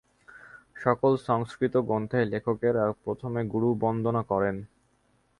সকল সংস্কৃত গ্রন্থেই লেখকেরা প্রথমে গুরুবন্দনা করেন।